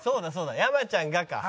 「山ちゃんが」か。